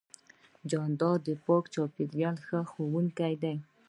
جانداد د پاک چاپېریال خوښوونکی دی.